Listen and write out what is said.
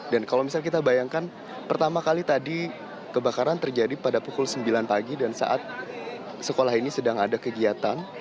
dan kalau misalnya kita bayangkan pertama kali tadi kebakaran terjadi pada pukul sembilan pagi dan saat sekolah ini sedang ada kegiatan